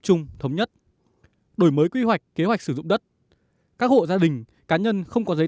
chung thống nhất đổi mới quy hoạch kế hoạch sử dụng đất các hộ gia đình cá nhân không có giấy